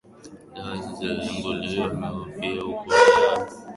dawa zinazolanguliwa za opiati huku dawa tofauti zikitumika